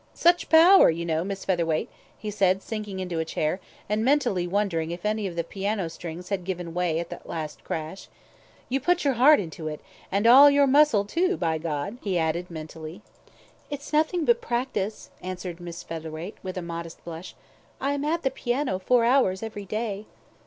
"Such power, you know, Miss Featherweight," he said, sinking into a chair, and mentally wondering if any of the piano strings had given way at that last crash. "You put your heart into it and all your muscle, too, by gad," he added mentally. "It's nothing but practice," answered Miss Featherweight, with a modest blush. "I am at the piano four hours every day."